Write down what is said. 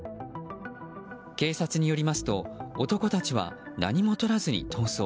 警察によりますと男たちは何もとらずに逃走。